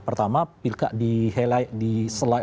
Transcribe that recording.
pertama dihelai diselai